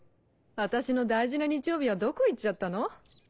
私の大事な日曜日はどこ行っちゃったの？